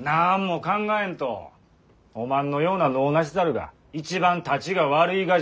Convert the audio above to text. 何も考えんとおまんのような能なし猿が一番タチが悪いがじゃ。